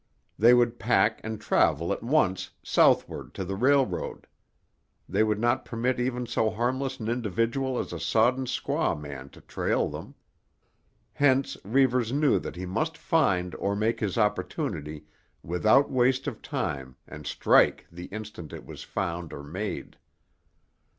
They would pack and travel at once, southward, to the railroad. They would not permit even so harmless an individual as a sodden squaw man to trail them. Hence, Reivers knew that he must find or make his opportunity without waste of time and strike the instant it was found or made.